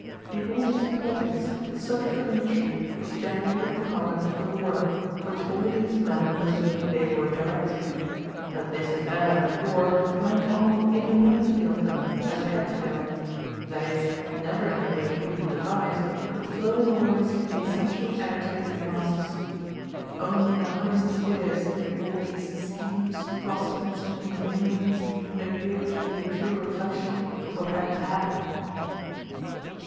In all these plottings the subject of intrigue was generally the conduct of the war, which all these men believed they were directing; but this affair of the war went on independently of them, as it had to go: that is, never in the way people devised, but flowing always from the essential attitude of the masses. Only in the highest spheres did all these schemes, crossings, and interminglings appear to be a true reflection of what had to happen.